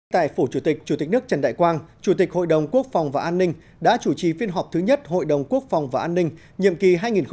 tại phủ chủ tịch chủ tịch nước trần đại quang chủ tịch hội đồng quốc phòng và an ninh đã chủ trì phiên họp thứ nhất hội đồng quốc phòng và an ninh nhiệm kỳ hai nghìn một mươi sáu hai nghìn hai mươi